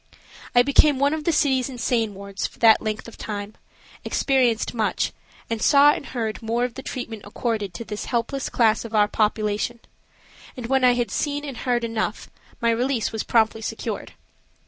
I became one of the city's insane wards for that length of time, experienced much, and saw and heard more of the treatment accorded to this helpless class of our population, and when I had seen and heard enough, my release was promptly secured.